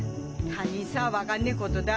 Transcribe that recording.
他人さは分がんねえことだ。